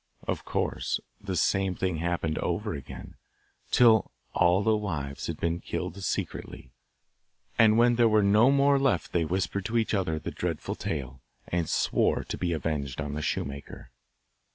Of course the same thing happened over again, till all the wives had been killed secretly, and when there were no more left they whispered to each other the dreadful tale, and swore to be avenged on the shoemaker.